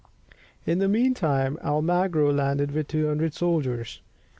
In the meantime Almagro landed with 200 soldiers.